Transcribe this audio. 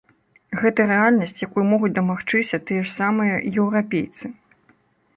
Гэта рэальнасць, якой могуць дамагчыся тыя ж самыя еўрапейцы.